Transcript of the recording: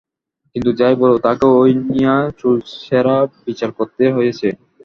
কিন্তু যাই বলো, তাঁকে ঐ নিয়ে চুলচেরা বিচার করতে হয়েছে।